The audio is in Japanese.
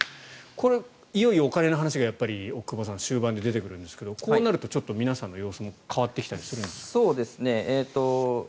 これいよいよお金の話が奥窪さん終盤で出てくるんですがこうなると皆さんの様子も変わってきたりするんですか？